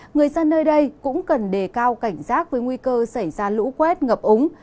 người dân nơi đây cũng cần đề cao cảnh giác với nguy cơ xảy ra lũ quét ngập úng